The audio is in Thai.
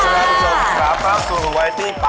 สวัสดีครับสวัสดีค่ะ